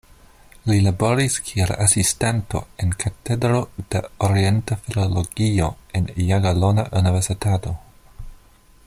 Li laboris kiel asistanto en Katedro de Orienta Filologio en Jagelona Universitato.